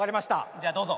じゃあどうぞ。